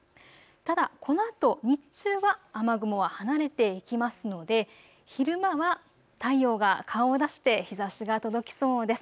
ただ、このあと日中は雨雲は離れていきますので昼間は太陽が顔を出して日ざしが届きそうです。